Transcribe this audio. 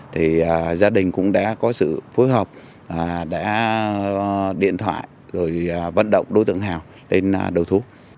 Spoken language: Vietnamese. thì gia đình cũng đã có sự phối hợp đã điện thoại rồi vận động đối tượng hào lên đầu thú